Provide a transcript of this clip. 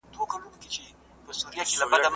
هغه د احتکار مخنيوی کاوه.